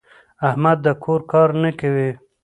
احمد د کور کار نه کوي.